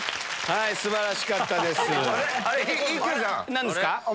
何ですか？